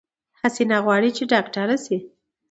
حسينه غواړی چې ډاکټره شی